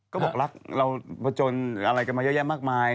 ก็บอกรักเราผจญอะไรกันมาเยอะแยะมากมาย